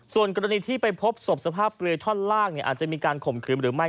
ส่วนกรณีที่ไปพบศพสภาพเปลือยท่อนล่างอาจจะมีการข่มขืนหรือไม่